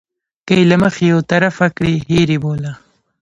که یې له مخې یو طرفه کړي هېر یې بوله.